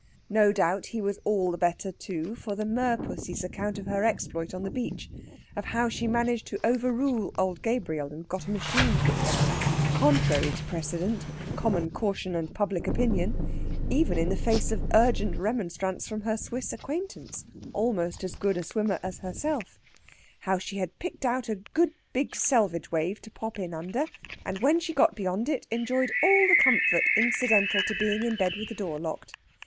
No doubt he was all the better, too, for the merpussy's account of her exploit on the beach; of how she managed to overrule old Gabriel and get a machine put down, contrary to precedent, common caution, and public opinion even in the face of urgent remonstrance from her Swiss acquaintance, almost as good a swimmer as herself; how she had picked out a good big selvage wave to pop in under, and when she got beyond it enjoyed all the comfort incidental to being in bed with the door locked.